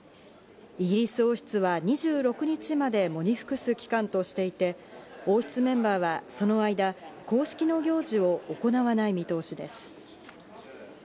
イギリス王室は２６日まで喪に服す期間としていて、王室メンバーはその間、公式の行事を行わない見通しです。